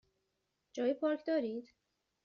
جای پارک دارید؟